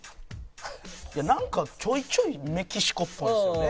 なんかちょいちょいメキシコっぽいですよね。